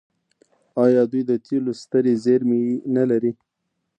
آیا دوی د تیلو سترې زیرمې نلري؟